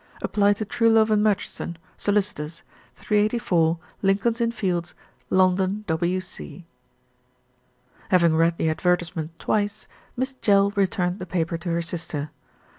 Apply to Truelove and Murchison, Solicitors, 384, Lincoln's Inn Fields, London, W.C. Having read the advertisement twice, Miss Jell re turned the paper to her sister.